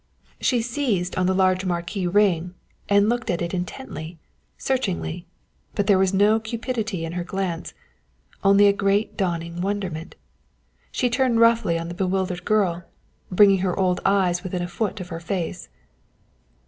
She seized on the large marquise ring and looked at it intently, searchingly, but there was no cupidity in her glance, only a great dawning wonderment. She turned roughly on the bewildered girl, bringing her old eyes within a foot of her face.